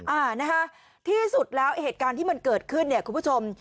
อ่านะคะที่สุดแล้วเหตุการณ์ที่มันเกิดขึ้นเนี่ยคุณผู้ชม